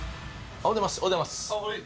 おはようございます。